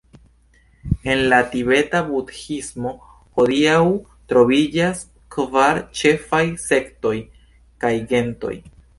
En la tibeta budhismo hodiaŭ troviĝas kvar ĉefaj sektoj kaj gentoj.